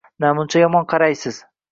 Namuncha yomon qaraysiz